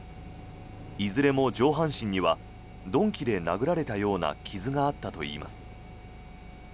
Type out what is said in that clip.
いずれも上半身には鈍器で殴られたような傷があったといいます。